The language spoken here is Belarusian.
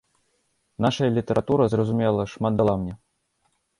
Нашая літаратура, зразумела, шмат дала мне.